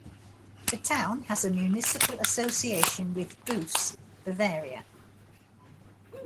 The town has a municipal association with Boos, Bavaria.